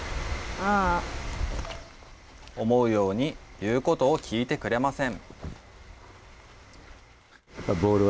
思うように言うことを聞いてくれません。